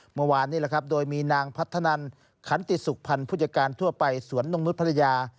เมื่อวานนี้โดยมีนางพัฒนันขันติสุขภัณฑ์ผู้จักรการทั่วไปสวนนกนุษย์พัทยา